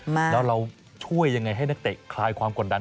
แล้วเราช่วยยังไงให้นักเตะคลายความกดดัน